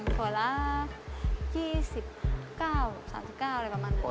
หัวละ๒๙๓๙อะไรประมาณนั้น